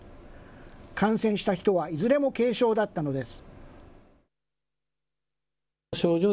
感染した人はいずれも軽症だったのです。